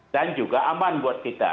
dan juga aman buat kita